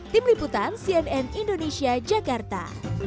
tim liputan cnn indonesia jakarta